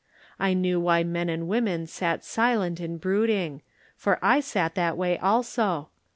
I knew why men and women sat silent and brood ing, for I sat that way also.